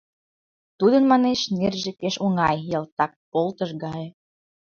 — Тудын, манеш, нерже пеш оҥай, ялтак полдыш гай.